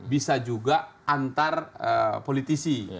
bisa juga antar politisi